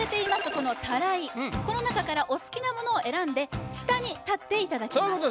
このタライこのなかからお好きなものを選んで下に立っていただきます